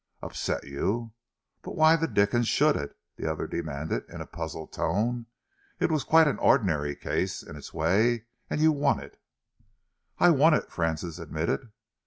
"Upset you? But why the dickens should it?" the other demanded, in a puzzled tone. "It was quite an ordinary case, in its way, and you won it." "I won it," Francis admitted.